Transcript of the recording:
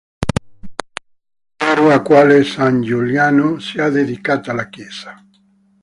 Non è chiaro a quale san Giuliano sia dedicata la chiesa.